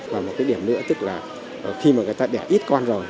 và một cái điểm nữa tức là khi mà người ta đẻ ít con rồi